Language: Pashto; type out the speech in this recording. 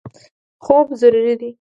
خوب ضروري دی.